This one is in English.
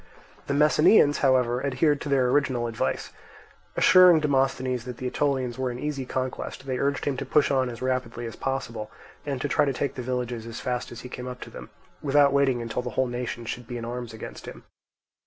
The Messenians, however, adhered to their original advice. Assuring Demosthenes that the Aetolians were an easy conquest, they urged him to push on as rapidly as possible, and to try to take the villages as fast as he came up to them, without waiting until the whole nation should be in arms against him.